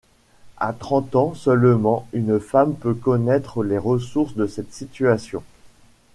À trente ans seulement une femme peut connaître les ressources de cette situation.